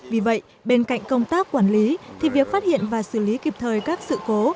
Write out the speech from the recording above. vì vậy bên cạnh công tác quản lý thì việc phát hiện và xử lý kịp thời các sự cố